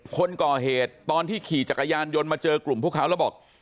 คนก่อเหตุตอนที่ขี่จักรยานยนต์มาเจอกลุ่มพวกเขาแล้วบอก